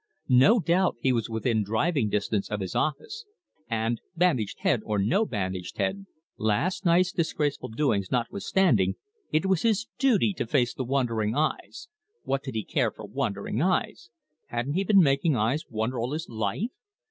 No doubt he was within driving distance of his office, and, bandaged head or no bandaged head, last night's disgraceful doings notwithstanding, it was his duty to face the wondering eyes what did he care for wondering eyes? hadn't he been making eyes wonder all his life?